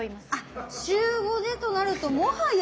週５でとなるともはや。